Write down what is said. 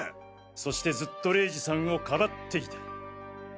そしてずっと玲二さんを庇っていた。